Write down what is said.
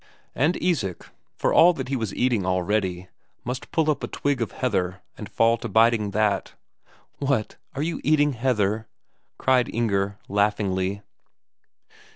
And Isak, for all that he was eating already, must pull up a twig of heather and fall to biting that. "What are you eating heather?" cried Inger laughingly.